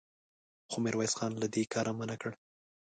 خو ميرويس خان له دې کاره منع کړ.